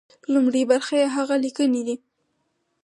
لومړۍ برخه يې هغه ليکنې دي.